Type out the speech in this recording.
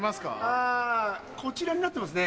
あぁこちらになってますね。